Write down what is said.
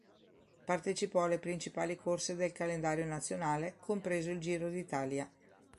Partecipò alle principali corse del calendario nazionale, compreso il Giro d'Italia.